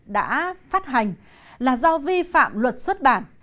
đã phát hành là do vi phạm luật xuất bản